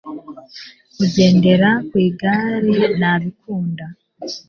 kugendera kwi gare nabikunda